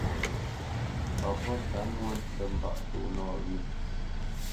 Papá Tə́mɔ́ nə́ mbâʼ tó nɔwyə́.